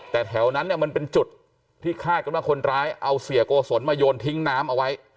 แต่แถวนั้นเนี่ยมันเป็นจุดที่คาดกันว่าคนร้ายเอาเสียโกศลมาโยนทิ้งน้ำเอาไว้